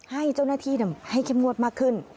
ให้เจ้าหน้าที่ให้เข้มงวดมากขึ้น